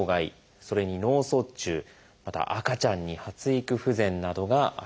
それに「脳卒中」または「赤ちゃんに発育不全」などがあります。